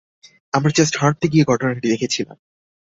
আমরা জাস্ট হাঁটতে গিয়ে ঘটনাটি দেখেছিলাম।